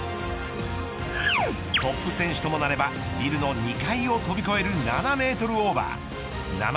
トップ選手ともなればビルの２階を飛び越える７メートルオーバー。